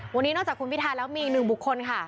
วันนี้นอกจากคุณพิทาแล้วมีอีกหนึ่งบุคคลค่ะ